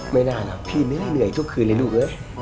ไม่นานพี่ไม่ได้เหนื่อยทุกคืนเลยลูก